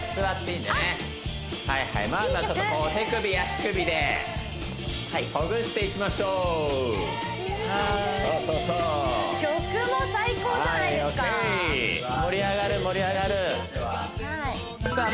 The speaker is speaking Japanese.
いい曲まずはちょっとこう手首足首ではいほぐしていきましょう曲も最高じゃないですかＯＫ盛り上がる盛り上がるさあ